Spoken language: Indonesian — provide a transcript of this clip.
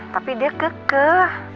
tapi dia kekeh